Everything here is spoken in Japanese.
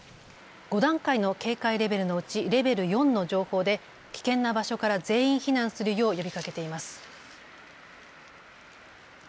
５段階の警戒レベルのうちレベル４の情報で危険な場所から全員避難するよう呼びかけています。